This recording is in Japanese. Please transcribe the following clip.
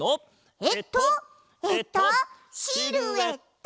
えっとえっとシルエット！